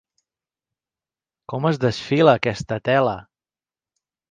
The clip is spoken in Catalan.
Com es desfila, aquesta tela!